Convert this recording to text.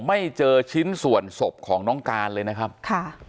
ไม่เจอชิ้นส่วนศพของน้องการเลยนะครับค่ะ